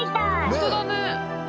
本当だね。